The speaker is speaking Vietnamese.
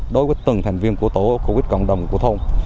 đối với từng thành viên của tổ khu vực cộng đồng của thôn